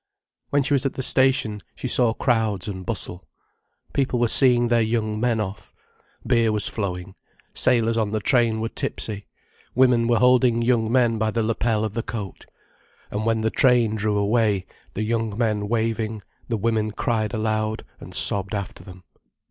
When she was at the station she saw crowds and bustle. People were seeing their young men off. Beer was flowing: sailors on the train were tipsy: women were holding young men by the lapel of the coat. And when the train drew away, the young men waving, the women cried aloud and sobbed after them.